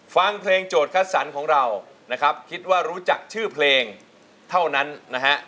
ฟังเพลงโจทย์คัดสรรของเรานะครับคิดว่ารู้จักชื่อเพลงเท่านั้นนะฮะ